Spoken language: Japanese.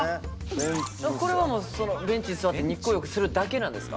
これはベンチに座って日光浴するだけなんですか？